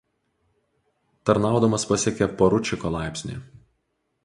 Tarnaudamas pasiekė poručiko laipsnį.